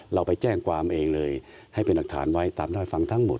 เราไปแจ้งความเองเลยให้เป็นหลักฐานไว้ตามด้อยฟังทั้งหมด